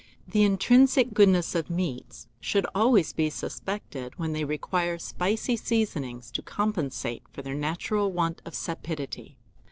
The intrinsic goodness of meats should always be suspected when they require spicy seasonings to compensate for their natural want of sapidity."